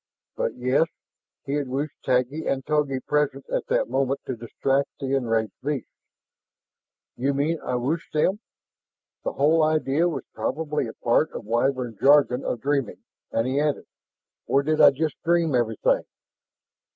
But, yes, he had wished Taggi and Togi present at that moment to distract the enraged beast. "You mean I wished them?" The whole idea was probably a part of the Wyvern jargon of dreaming and he added, "Or did I just dream everything?"